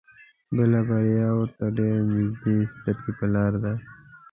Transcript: بله بريا ورته ډېر نيږدې سترګې په لار ده.